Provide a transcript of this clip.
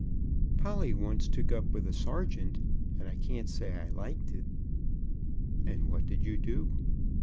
"Polly once took up with a sergeant, and I can't say I liked it." "And what did you do?"